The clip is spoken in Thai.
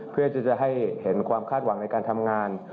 เพื่อที่จะให้เห็นความคาดหวังในการทำงาน